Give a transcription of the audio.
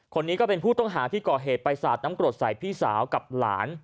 คนนี้ก็เป็นผู้ต้องหาที่ก่อเหตุไปสาดน้ำกรดใส่พี่สาวกับหลาน